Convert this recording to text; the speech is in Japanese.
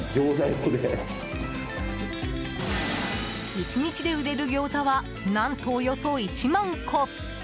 １日で売れる餃子は何と、およそ１万個。